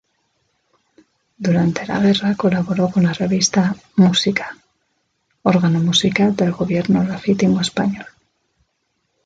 Durante la Guerra colaboró con la revista ¨Música¨, órgano musical del gobierno legítimo español.